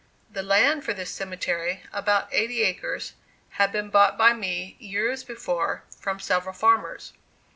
The land for this cemetery, about eighty acres, had been bought by me, years before, from several farmers.